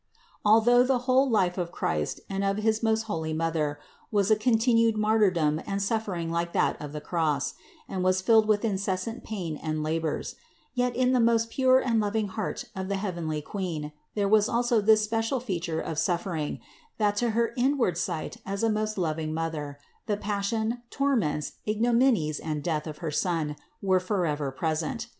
Although the whole life of Christ and of his most holy Mother was a con tinued martyrdom and suffering like that of the cross, and was filled with incessant pain and labors; yet in the most pure and loving heart of the heavenly Queen there was also this special feature of suffering, that to her inward sight as a most loving Mother, the passion, torments, ignominies and death of her Son were for ever present.